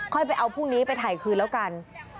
ไปเอาพรุ่งนี้ไปถ่ายคืนแล้วกัน